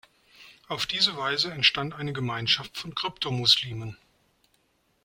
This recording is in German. Auf diese Weise entstand eine Gemeinschaft von Krypto-Muslimen.